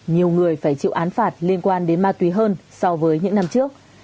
nhiều người phải chịu án phạt liên quan đến ma túy hơn so với những năm trước